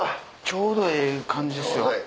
ちょうどええ感じですよ。